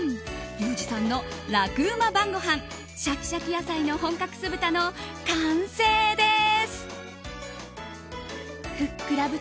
リュウジさんの楽ウマ晩ごはんシャキシャキ野菜の本格酢豚の完成です。